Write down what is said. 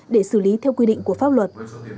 để xử lý theo quy định của pháp luật